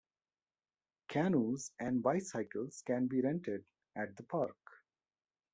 Canoes and bicycles can be rented at the park.